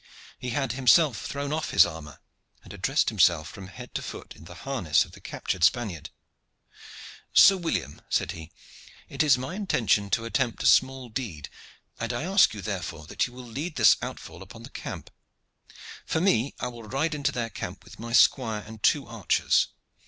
He had himself thrown off his armor, and had dressed himself from head to foot in the harness of the captured Spaniard. "Sir William," said he, "it is my intention to attempt a small deed, and I ask you therefore that you will lead this outfall upon the camp. For me, I will ride into their camp with my squire and two archers.